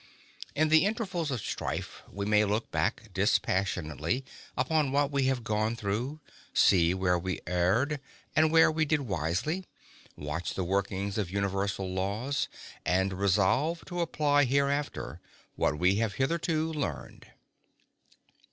In the intervals of strife we may look back dispassionately upon what we have gone through, see where we erred and where we did wisely, watch the workings of universal laws, and resolve to apply hereafter what we have hitherto learned.